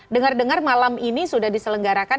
dengar dengar malam ini sudah diselenggarakan